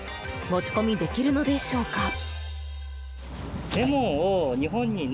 持ち込みできるのでしょうか。